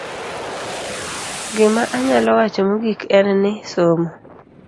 Gima anyalo wacho mogik en ni, somo